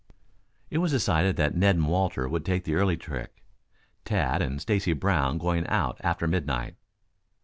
It was decided that Ned and Walter should take the early trick; Tad and Stacy Brown going out after midnight.